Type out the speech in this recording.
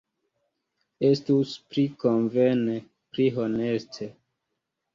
Estus pli konvene, pli honeste.